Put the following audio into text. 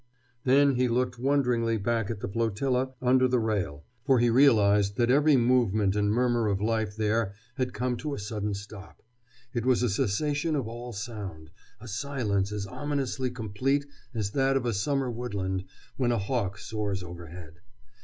Then he looked wonderingly back at the flotilla under the rail, for he realized that every movement and murmur of life there had come to a sudden stop. It was a cessation of all sound, a silence as ominously complete as that of a summer woodland when a hawk soars overhead.